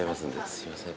すいません